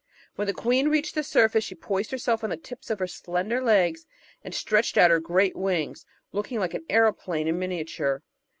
When the queen reached the surface she poised herself on the tips of her slender legs and stretched out her great wings, looking like an aeroplane in miniature.